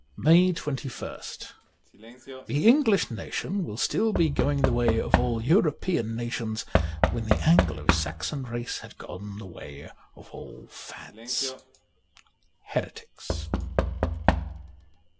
'' 154 MAY 2 1 St THE English nation will still be going the way of all European nations when the Anglo Saxon race has gone the way of all fads. '■Heretics.